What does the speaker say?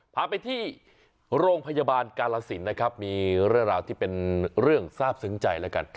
พาไปที่โรงพยาบาลกาลสินนะครับมีเรื่องราวที่เป็นเรื่องทราบซึ้งใจแล้วกัน